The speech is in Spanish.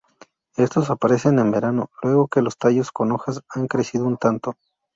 Estos aparecen en verano, luego que los tallos con hojas han crecido un tanto.